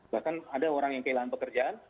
bahkan ada orang yang kehilangan pekerjaan